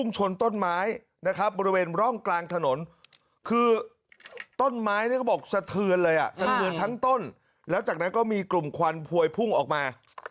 บริเวณร่องกลางถนนคือต้นไม้เนี่ยเขาบอกสะเทือนเลยอ่ะสะเทือนทั้งต้นแล้วจากนั้นก็มีกลุ่มควันพวยพุ่งออกมา